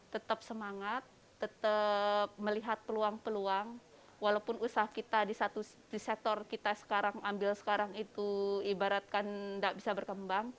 tetap semangat tetap melihat peluang peluang walaupun usaha kita di sektor kita sekarang ambil sekarang itu ibaratkan tidak bisa berkembang